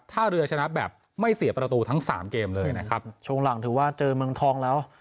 ถ้าเรือชนะแบบไม่เสียประตูทั้งสามเกมเลยนะครับช่วงหลังถือว่าเจอเมืองทองแล้ว